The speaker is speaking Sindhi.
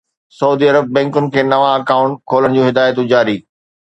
سعودي عرب: بئنڪن کي نوان اڪائونٽ کولڻ جون هدايتون جاري